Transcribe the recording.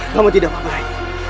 kamu tidak apa apa rai